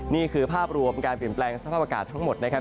นี่คือภาพรวมการเปลี่ยนแปลงสภาพอากาศทั้งหมดนะครับ